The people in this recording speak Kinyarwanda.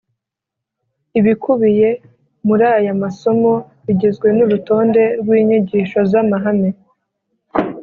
Ibikubiye muri aya masomo bigizwe n'urutonde rw'inyigisho z'amahame